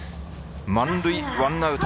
満塁ワンアウト。